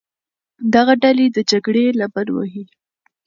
دغه ډلې د جګړې لمن وهي.